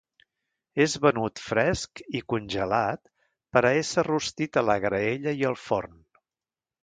És venut fresc i congelat per a ésser rostit a la graella i al forn.